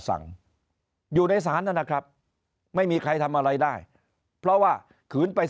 สั่งอยู่ในศาลนะครับไม่มีใครทำอะไรได้เพราะว่าขืนไป